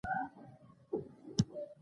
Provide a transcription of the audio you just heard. مېلې خلک هڅوي چې خپل کلتور وساتي.